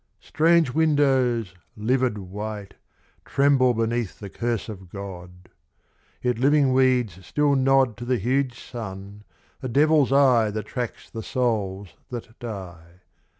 Strange windows livid white, Tremble beneath the curse of God. Yet living weeds still nod To the huge sun, a devil's eye That tracks the souls that die.